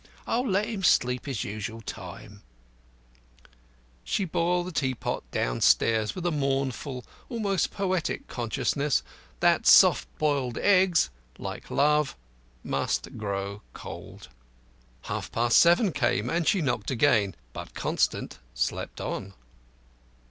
I'll let him sleep his usual time," she bore the tea pot downstairs with a mournful, almost poetic, consciousness that soft boiled eggs (like love) must grow cold. Half past seven came and she knocked again. But Constant slept on.